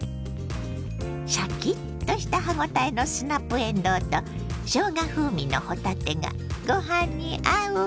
シャキッとした歯応えのスナップえんどうとしょうが風味の帆立てがご飯に合うわ。